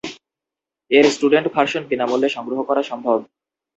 এর student version বিনামূল্যে সংগ্রহ করা সম্ভব।